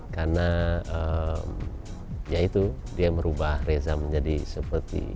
karena ya itu dia merubah reza menjadi seperti